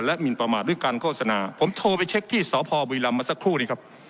หมินประมาทด้วยการโฆษณาผมโทรไปเช็คที่สพบุรีรำมาสักครู่นี้ครับ